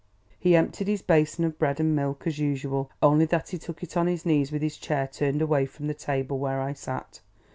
He emptied his basin of bread and milk as usual, only that he took it on his knees with his chair turned away from the table where I sat.